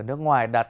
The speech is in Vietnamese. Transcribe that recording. ở nước ngoài nước